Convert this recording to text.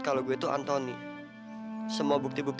kayak suara kamu bagus aja